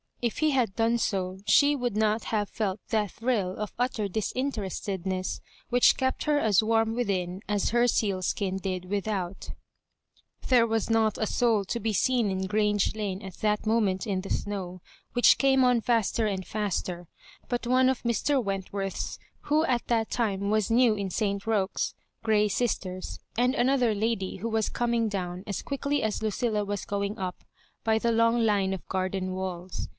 If he had done so, she would not have felt that thrill of utter disinterestedness which kept her as warm within as her sealskin did without There was not a soul to be seen in Grange Lane at that moment in the snow, which came on faster and faster, but one of Mr. Wentworth's (who at that time was new in St. Roque's) grey sisters, and another lady who was coming down, as quickly as Lucilla was going up, by the long line of garden walls.